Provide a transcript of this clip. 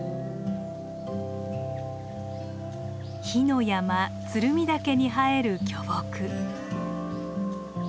火の山鶴見岳に生える巨木。